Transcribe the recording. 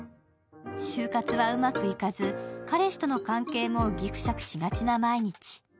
就活はうまくいかず、彼氏との関係もぎくしゃくしがちな毎日。